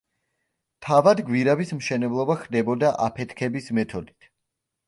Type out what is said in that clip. თავად გვირაბის მშენებლობა ხდებოდა აფეთქების მეთოდით.